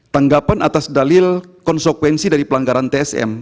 tanggapan atas dalil konsekuensi dari pelanggaran tsm